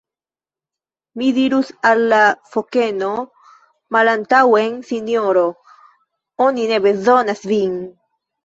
"Mi dirus al la fokeno: 'Malantaŭen Sinjoro! oni ne bezonas vin.'"